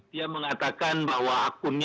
dia mengatakan bahwa akunnya